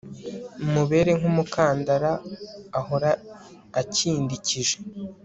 umubere nk'umukandara ahora akindikije